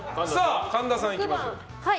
神田さん、いきましょう。